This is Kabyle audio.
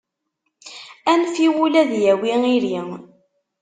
Anef i wul ad yawi iri.